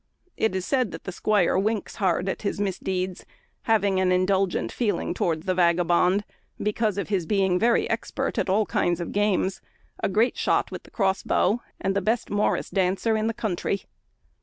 It is said that the squire winks hard at his misdeeds, having an indulgent feeling towards the vagabond, because of his being very expert at all kinds of games, a great shot with the cross bow, and the best morris dancer in the country.